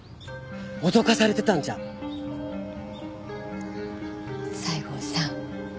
脅かされてたんじゃ西郷さん